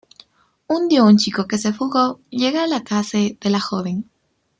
Un día un chico que se fugó llega a la case de la joven.